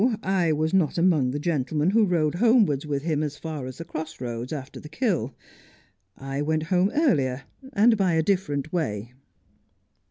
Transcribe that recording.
I was not among the gentlemen who rode homewards with him as far as the cross roads, after the kill. I went home earlier, and by a different way.